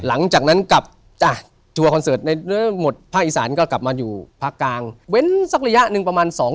หลังจากนั้นกลับตรวจคอนเสิร์ตในเดิมมดพระอีศรรย์ก็กลับมาอยู่พระกลาง